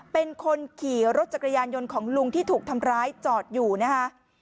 เป็นคนขี่รถจักรยานยนต์ของลุงที่ถูกทำร้ายจอดอยู่นะคะ